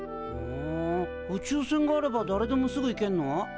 ふん宇宙船があればだれでもすぐ行けるの？